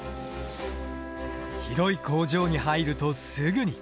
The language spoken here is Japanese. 広い工場に入るとすぐに。